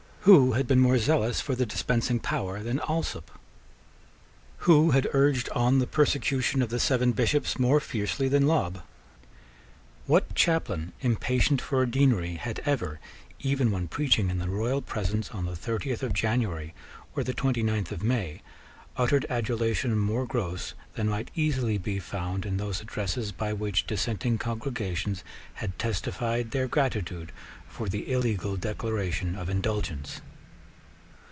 Who had been more zealous for the dispensing power than Alsop? Who had urged on the persecution of the seven Bishops more fiercely than Lobb? What chaplain impatient for a deanery had ever, even when preaching in the royal presence on the thirtieth of January or the twenty ninth of May, uttered adulation more gross than might easily be found in those addresses by which dissenting congregations had testified their gratitude for the illegal Declaration of Indulgence?